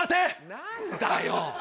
何だよ！